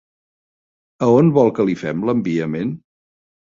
A on vol que li fem l'enviament?